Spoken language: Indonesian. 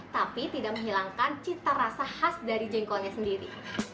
tapi tidak menghilangkan cita rasa khas dari jengkolnya sendiri